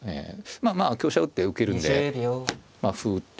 まあまあ香車打って受けるんで歩打って。